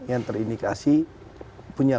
yang terindikasi punya